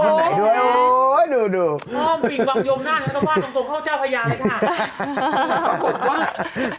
ปิดวังโยมหน้าแล้วต้องว่าตรงตรงข้าวเจ้าพญาเลยค่ะ